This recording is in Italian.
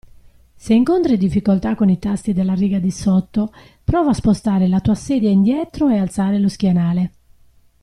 Se incontri difficoltà con i tasti della riga di sotto, prova a spostare la tua sedia indietro e alzare lo schienale.